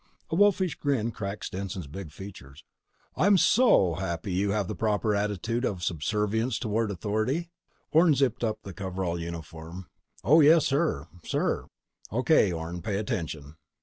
A wolfish grin cracked Stetson's big features. "I'm soooooo happy you have the proper attitude of subservience toward authority." Orne zipped up the coverall uniform. "Oh, yes, sir ... sir." "O.K., Orne, pay attention."